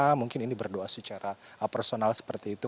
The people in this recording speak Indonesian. karena mungkin ini berdoa secara personal seperti itu